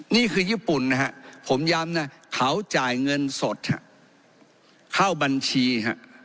นี่คือญี่ปุ่นนะฮะผมย้ำนะเขาจ่ายเงินสดเข้าบัญชี